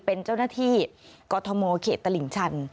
เป็นเจ้าหน้าที่กอทมเขตตลิ่งชัน